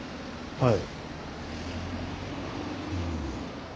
はい。